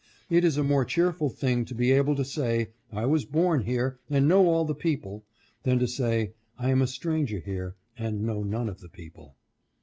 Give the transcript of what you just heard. It is a more cheerful thing to be able to say, I was born here and know all the people, than to say, I am a stranger here and know none of the people.